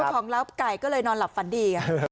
ของลับไก่ก็เลยนอนหลับฝันดี